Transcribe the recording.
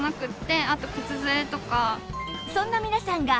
そんな皆さんが